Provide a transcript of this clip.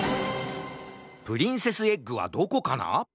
プリンセスエッグはどこかな？